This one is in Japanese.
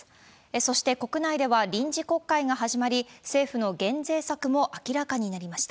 そして、国内では臨時国会が始まり、政府の減税策も明らかになりました。